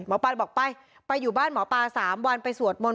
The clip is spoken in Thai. ปานบอกไปไปอยู่บ้านหมอปลา๓วันไปสวดมนต